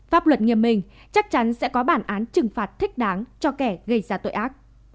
pháp luật nghiêm minh chắc chắn sẽ có bản án trừng phạt thích đáng cho kẻ gây ra tội ác